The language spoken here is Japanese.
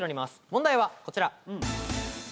問題はこちら。